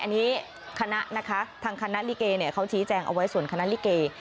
อันนี้คณะนะคะทางคณะลิเกเขาชี้แจงเอาไว้ส่วนคณะลิเก